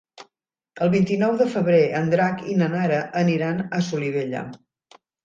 El vint-i-nou de febrer en Drac i na Nara aniran a Solivella.